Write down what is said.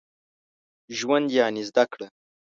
ژوند يعني زده کړه.